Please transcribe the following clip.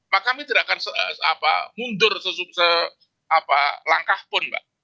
maka kami tidak akan mundur selangkah pun mbak